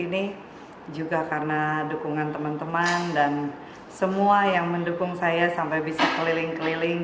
ini juga karena dukungan teman teman dan semua yang mendukung saya sampai bisa keliling keliling